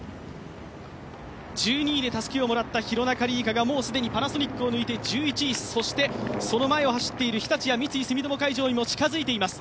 １２位でたすきをもらったパナソニックを抜いて１１位、その前を走っている日立、三井住友海上にも近づいています。